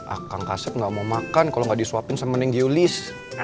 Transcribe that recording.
akang kaset gak mau makan kalo gak disuapin sama neng giolis